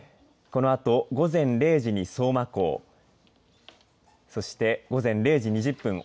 このあと午前０時に相馬港そして午前０時２０分